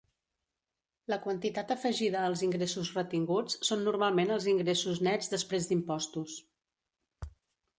La quantitat afegida als ingressos retinguts són normalment els ingressos nets després d'impostos.